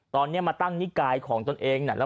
ตอนนี้มาตั้งนิกายของตนเอง